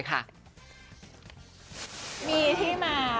มีที่มาค่ะมีที่มา